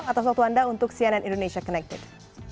atau suatu anda untuk cnn indonesia connected